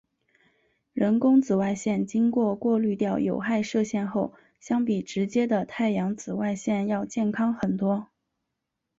人工紫外线经过过滤掉有害射线后相比直接的太阳紫外线要健康很多。